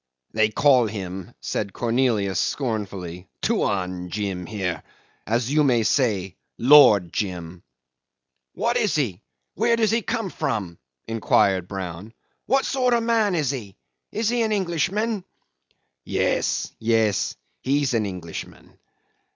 "They call him," said Cornelius scornfully, "Tuan Jim here. As you may say Lord Jim." "What is he? Where does he come from?" inquired Brown. "What sort of man is he? Is he an Englishman?" "Yes, yes, he's an Englishman.